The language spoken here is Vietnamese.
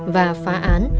và phá án